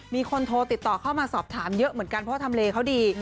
มีคนโทรติดต่อเข้ามาสอบถามเยอะเหมือนกันเพราะทำเลเขาดี